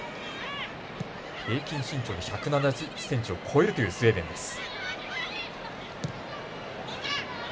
平均身長１７１ｃｍを超えるというスウェーデンです。